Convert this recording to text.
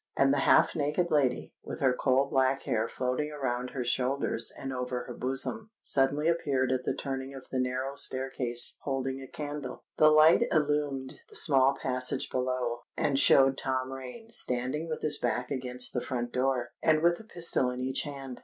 And the half naked lady, with her coal black hair floating around her shoulders and over her bosom, suddenly appeared at the turning of the narrow staircase, holding a candle. The light illumed the small passage below, and showed Tom Rain, standing with his back against the front door, and with a pistol in each hand.